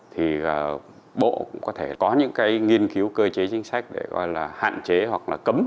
thì bộ cũng có thể có những cái nghiên cứu cơ chế chính sách để gọi là hạn chế hoặc là cấm